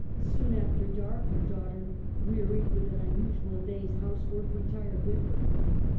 Soon after dark her daughter, wearied with an unusual day's house work, retired with her.